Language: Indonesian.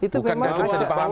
bukan dapat dipahami